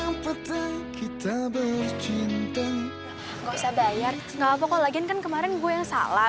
gak apa apa kalau lagian kan kemarin gue yang salah